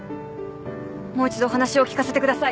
もう一度お話を聞かせてください。